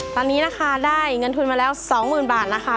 ตอนนี้นะคะได้เงินทุนมาแล้ว๒๐๐๐บาทนะคะ